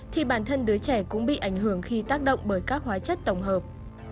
thì bản thân đứa trẻ cũng bị ảnh hưởng khi tác động bởi các hóa chất tổng hợp